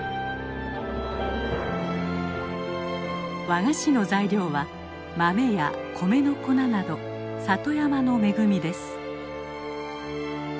和菓子の材料は豆や米の粉など里山の恵みです。